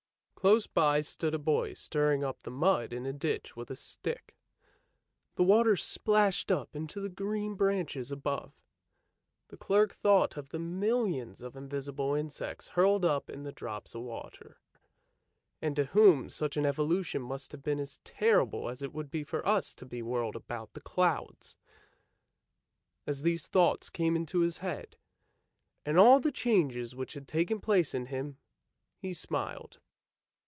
Close by stood a boy stirring up the mud in a ditch with a stick; the water splashed up into the green branches above. The clerk thought of the millions of invisible insects hurled up in the drops of water, and to whom such an evolution must have been as terrible as it would be for us to be whirled about the clouds. As these thoughts came into his head, and all the changes which had taken place in him, he smiled.